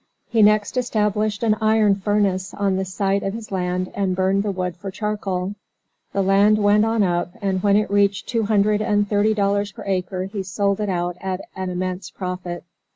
He next established an iron furnace on the site of his land and burned the wood for charcoal. The land went on up, and when it reached two hundred and thirty dollars per acre he sold out at an immense profit.